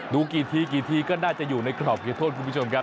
กี่ทีกี่ทีก็น่าจะอยู่ในกรอบกิจโทษคุณผู้ชมครับ